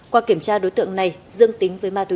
qua kiểm tra đối tượng này dương tính với ma túy